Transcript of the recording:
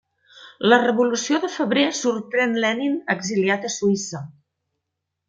La Revolució de febrer sorprèn Lenin exiliat a Suïssa.